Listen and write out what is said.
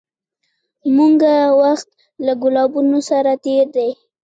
موږه وخت له ګلابونو سره تېر دی